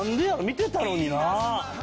見てたのになぁ。